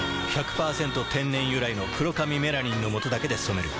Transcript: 天然由来の黒髪メラニンのもとだけで染める。